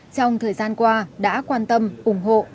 trong thời gian qua đã quan tâm ủng hộ